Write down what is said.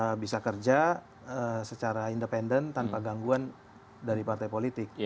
mereka bisa kerja secara independen tanpa gangguan dari partai politik